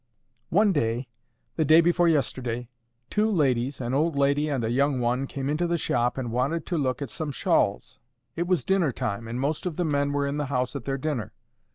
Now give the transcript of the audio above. "One day—the day before yesterday—two ladies, an old lady and a young one, came into the shop, and wanted to look at some shawls. It was dinner time, and most of the men were in the house at their dinner.